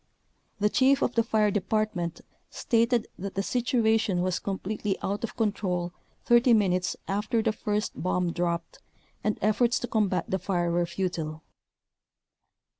The chief of the fire department stated that the situation was completely out of control 30 minutes after the first bomb dropped and efforts to combat the fire were futile.